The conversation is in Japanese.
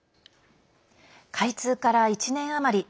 開通から１年余り。